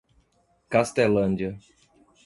Castelândia